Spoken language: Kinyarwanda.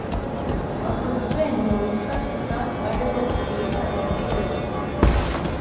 akuza ubwenge mu bifatika ari bwo twita ubukerebutsi